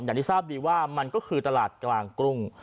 อย่างที่ทราบดีว่ามันก็คือตลาดกลางกรุง